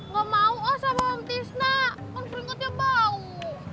gak mau os sama om fisna kan keringetnya bau